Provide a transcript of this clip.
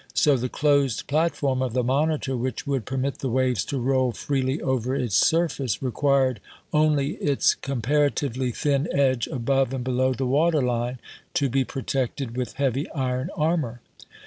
So the closed platform of the 3Ionitor, which would permit the waves to roll freely over its surface, required only its comparatively thin edge above and below the water line to be protected with heav\^ iron armor.